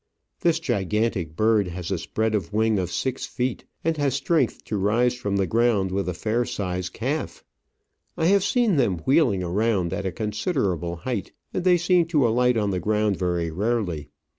This gigantic bird has a spread of wing of six feet, and has strength to rise from the ground with a fair sized calf. I have seen them wheeling around at a considerable height, and they seem to alight on the ground very rarely.